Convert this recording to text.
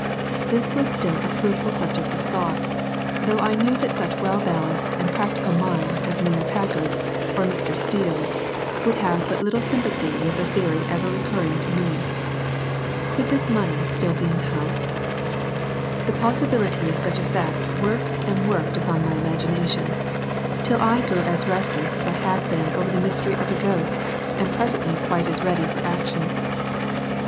This was still a fruitful subject of thought, though I knew that such well balanced and practical minds as Mayor Packard's or Mr. Steele's would have but little sympathy with the theory ever recurring to me. Could this money be still in the house? the possibility of such a fact worked and worked upon my imagination till I grew as restless as I had been over the mystery of the ghosts and presently quite as ready for action.